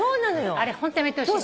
あれホントやめてほしい。